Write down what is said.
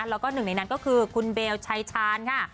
แล้วก็หนึ่งในนั้นก็คือคุณเบลชายชาญค่ะ